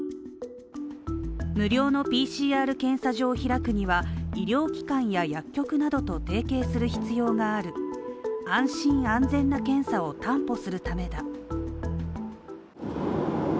無料のＰＣＲ検査場を開くには、医療機関や薬局などと提携する必要がある安心・安全な検査を担保するためだ。